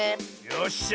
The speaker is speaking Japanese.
よっしゃ！